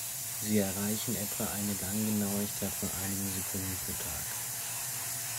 Sie erreichen etwa eine Ganggenauigkeit von einigen Sekunden pro Tag.